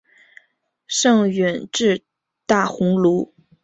盛允官至大鸿胪。